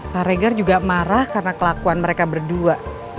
pak regar juga marah karena kelakuan mereka berdua